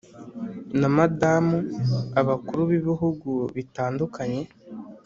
na Madamu Abakuru b ibihugu bitandukanye